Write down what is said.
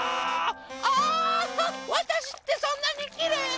あわたしってそんなにきれい？